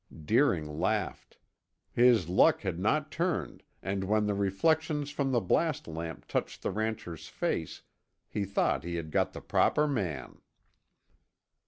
Deering laughed. His luck had not turned and when the reflections from the blast lamp touched the rancher's face he thought he had got the proper man.